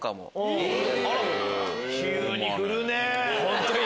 急にふるね！